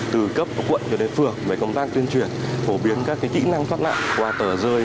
từ cấp quận cho đến phường về công tác tuyên truyền phổ biến các kỹ năng thoát nạn qua tờ rơi